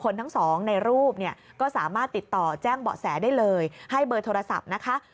ในรูปก็สามารถติดต่อแจ้งเบาะแสได้เลยให้เบอร์โทรศัพท์๐๖๑๕๘๓๐๙๕๒